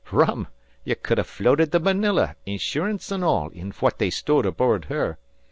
Rum! Ye cud ha' floated the Marilla, insurance an' all, in fwhat they stowed aboard her.